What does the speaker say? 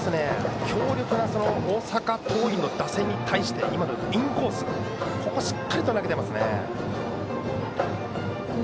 強力な大阪桐蔭の打線に対して今のようにインコースをしっかり投げています。